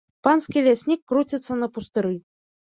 Панскі ляснік круціцца на пустыры.